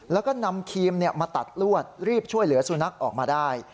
แล้วก็นำครีมมาตัดลวดรีบช่วยเหลือสุนัขออกมาได้